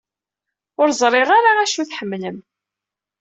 Ur ẓṛiɣ ara acu i tḥemmlem.